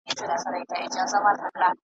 څو ښکلیو او رنګینو ونو ته نظر واوښت .